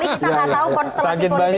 kita nggak tahu konstelasi politik hari ini